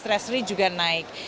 us treasury juga naik